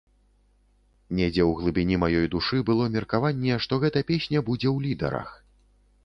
Недзе ў глыбіні маёй душы было меркаванне, што гэта песня будзе ў лідарах.